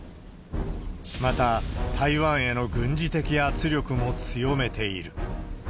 また、台湾への軍事的圧力も強めている。